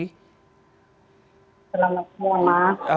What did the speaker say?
selamat siang mas